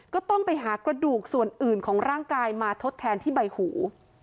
ก็ต้องไปหากระดูกส่วนอื่นของร่างกายมาทดแทนที่ใบหู